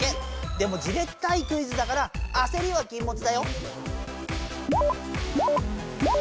でもじれったいクイズだからあせりはきんもつだよ。